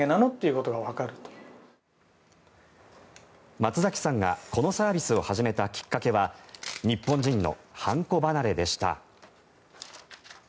松崎さんがこのサービスを始めたきっかけは日本人の判子離れでした。